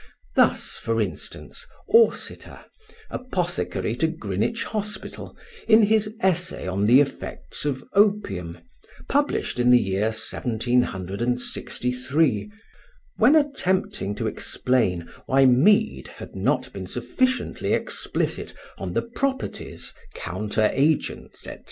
Thus, for instance, Awsiter, apothecary to Greenwich Hospital, in his "Essay on the Effects of Opium" (published in the year 1763), when attempting to explain why Mead had not been sufficiently explicit on the properties, counteragents, &c.